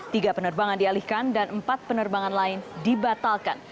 tiga penerbangan dialihkan dan empat penerbangan lain dibatalkan